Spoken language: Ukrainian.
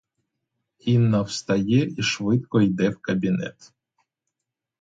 Інна встає і швидко йде в кабінет.